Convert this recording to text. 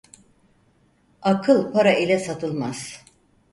Akıl para ile satılmaz.